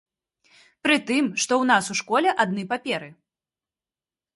Прытым, што ў нас у школе адны паперы.